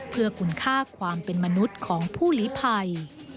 เพื่อคุณค่าความเป็นมนุษย์ของผู้หลีภัย